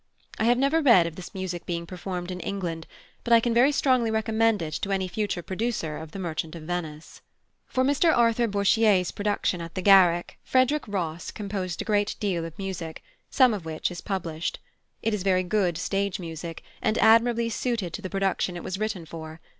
I have never read of this music being performed in England, but I can very strongly recommend it to any future producer of The Merchant of Venice. For Mr Arthur Bourchier's production at the Garrick +Frederick Rosse+ composed a great deal of music, some of which is published. It is very good stage music, and admirably suited to the production it was written for.